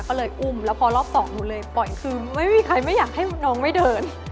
ก็เลยอุ้มแล้วพอรอบสองหนูเลยปล่อยคือไม่มีใครไม่อยากให้น้องไม่เดิน